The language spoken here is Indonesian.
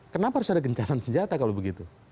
kenapa harus ada gencatan senjata kalau begitu